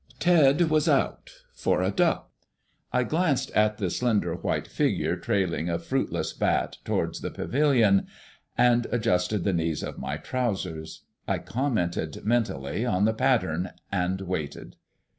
Ted was out, for a duck. I glanced at the slender white figure trailing a fruitless bat towards the pavilion, and adjusted the knees of my trousers. I commented mentally on the pattern, and waited.